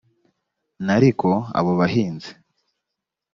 n ariko abo bahinzi